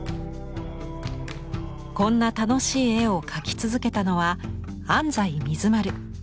こんな楽しい絵を描き続けたのは安西水丸。